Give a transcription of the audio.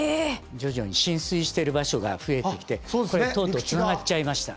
徐々に浸水してる場所が増えてきてとうとうつながっちゃいました。